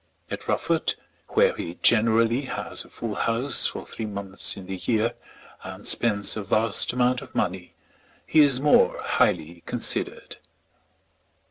At Rufford, where he generally has a full house for three months in the year and spends a vast amount of money, he is more highly considered.